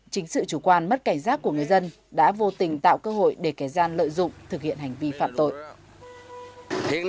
chính sự chủ quan mất cảnh giác của người dân đã vô tình tạo cơ hội để kẻ gian lợi dụng thực hiện hành vi phạm tội